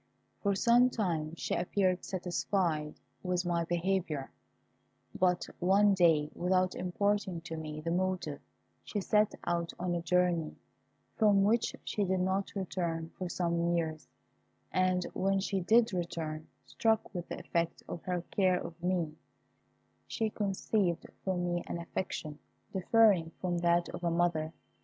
For some time she appeared satisfied with my behaviour; but one day, without imparting to me the motive, she set out on a journey, from which she did not return for some years, and when she did return, struck with the effect of her care of me, she conceived for me an affection differing from that of a mother.